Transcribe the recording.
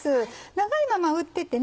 長いまま売っててね